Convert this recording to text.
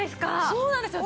そうなんですよ